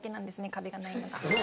壁がないのが。